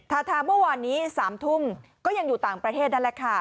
ทาทาเมื่อวานนี้๓ทุ่มก็ยังอยู่ต่างประเทศนั่นแหละค่ะ